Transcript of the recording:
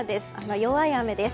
弱い雨です。